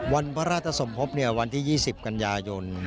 วันพระราชสมภพวันที่๒๐กันยายน